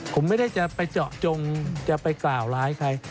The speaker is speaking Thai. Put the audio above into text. ผมไม่ได้จะไปเจาะจงจะไปกล่าวร้ายใคร